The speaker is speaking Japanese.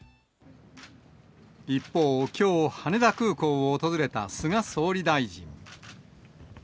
一方、きょう羽田空港を訪れた菅総理大臣。